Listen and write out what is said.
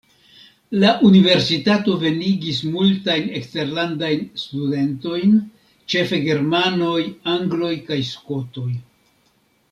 La universitato venigis multajn eksterlandajn studentojn, ĉefe germanoj, angloj kaj skotoj.